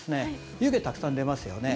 湯気たくさん出ますよね。